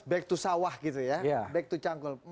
back to sawah gitu ya back to cangkul